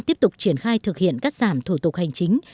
tiếp tục triển khai thực hiện cắt giảm thủ tục hành chính